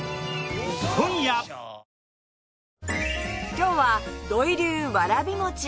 今日は土井流わらび餅